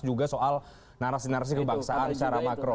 dan juga soal narasi narasi kebangsaan secara makro